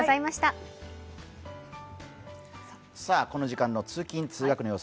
この時間の通勤・通学の様子